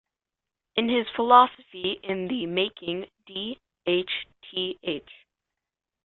In his Philosophy in the Making D. H. Th.